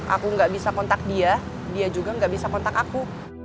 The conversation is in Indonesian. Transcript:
aku nggak bisa kontak dia dia juga nggak bisa kontak aku